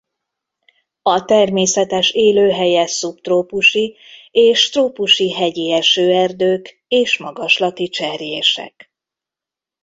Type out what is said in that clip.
A természetes élőhelye szubtrópusi és trópusi hegyi esőerdők és magaslati cserjések.